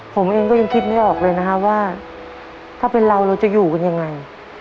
ผมเองก็ยังคิดไม่ออกเลยนะฮะว่าถ้าเป็นเราเราจะอยู่กันยังไง